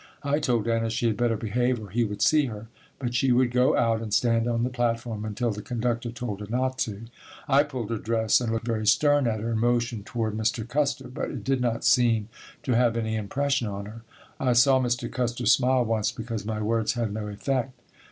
I told Anna she had better behave or he would see her, but she would go out and stand on the platform until the conductor told her not to. I pulled her dress and looked very stern at her and motioned toward Mr. Custer, but it did not seem to have any impression on her. I saw Mr. Custer smile once because my words had no effect.